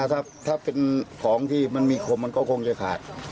ถ้าเป็นของที่มันมีคมมันก็คงจะขาด